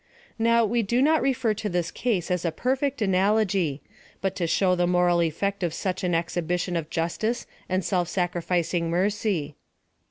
Now, we do not refer to this case as a perfect analogy, but to show the moral effect of such an exhibition of justice and self sacrificing mer cy.